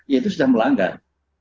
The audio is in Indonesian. ya itu sudah melanggar